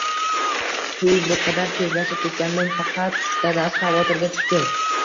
Tuy bu qadar tezlashib ketganidan faqat dadasi xavortirga tushdi